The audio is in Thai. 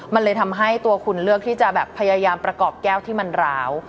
มันเลยทำให้ตัวคุณเลือกที่จะแบบพยายามประกอบแก้วที่มันร้าว